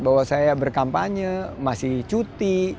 bahwa saya berkampanye masih cuti